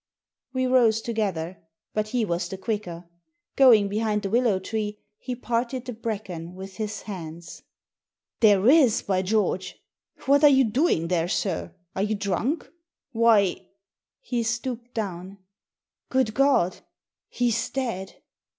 We rose together. But he was the quicker. Going behind the willow tree, he parted the bracken with his hands. " There is, by George ! What are you doing there, sir? Are you drunk? Why " He stooped down. "Good God! He's dead!"